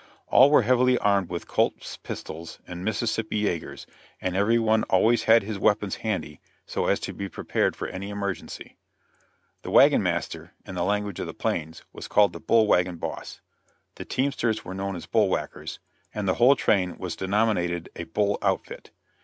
All were heavily armed with Colt's pistols and Mississippi yagers, and every one always had his weapons handy so as to be prepared for any emergency. The wagon master, in the language of the plains, was called the "bull wagon boss"; the teamsters were known as "bull whackers"; and the whole train was denominated a "bull outfit."